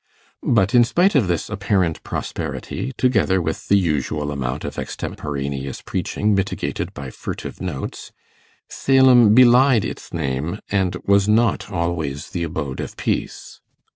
But in spite of this apparent prosperity, together with the usual amount of extemporaneous preaching mitigated by furtive notes, Salem belied its name, and was not always the abode of peace.